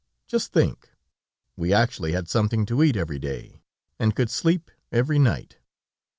Just think. We actually had something to eat every day, and could sleep every night.